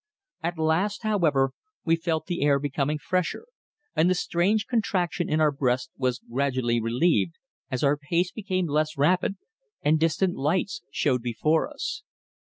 At last, however, we felt the air becoming fresher, and the strange contraction in our breasts was gradually relieved as our pace became less rapid, and distant lights showed before us.